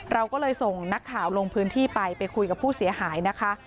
เราก็เลยส่งนักข่าวลงพื้นที่ไปไปคุยกับผู้เสียหายนะคะ